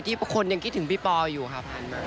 ที่คนยังคิดถึงพี่ปออยู่ครับ